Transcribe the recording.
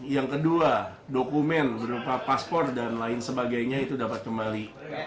yang kedua dokumen berupa paspor dan lain sebagainya itu dapat kembali